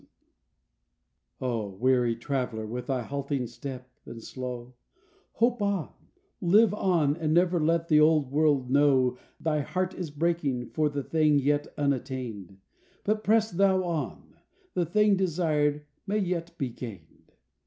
HOPE 0, weary traveler with thy halting step, and slow, Hope on, live on, and never let the old world know Thy heart is breaking for the thing yet unattained, But press thou on, the thing desired may yet be gained.